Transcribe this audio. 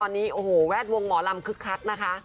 ตอนนี้แวดวงหมอลำคึกคัดนะคะ